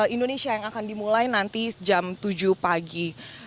indonesia yang akan dimulai nanti jam tujuh pagi